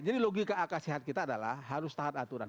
jadi logika akasihat kita adalah harus tahap aturan